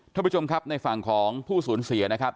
ท่านผู้ชมครับในฝั่งของผู้สูญเสียนะครับ